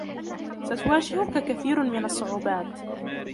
ستواجهك كثير من الصعوبات.